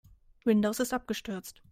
Windows ist abgestürzt.